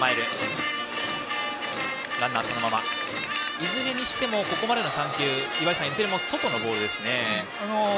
いずれにしてもここまでの３球、岩井さんいずれも外のボールですね。